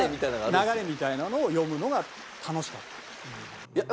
流れみたいなのを読むのが楽しかった。